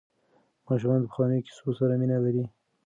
ماشومان د پخوانیو کیسو سره مینه لري.